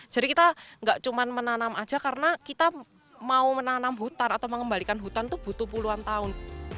jadi kita gak cuma menanam aja karena kita mau menanam hutan atau mengembalikan hutan itu butuh puluhan tahun